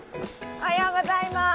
おはようございます。